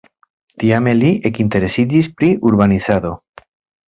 Tiame li ekinteresiĝis pri urbanizado.